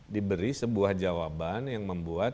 diberi sebuah jawaban yang membuat